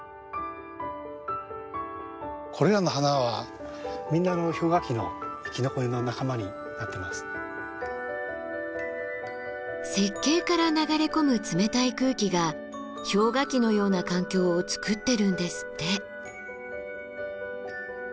これらの花はみんな雪渓から流れ込む冷たい空気が氷河期のような環境をつくってるんですって。